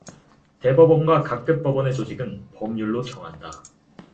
대법원과 각급법원의 조직은 법률로 정한다.